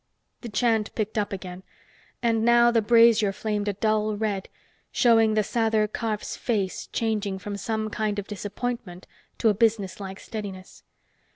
The chant picked up again, and now the brazier flamed a dull red, showing the Sather Karf's face changing from some kind of disappointment to a businesslike steadiness.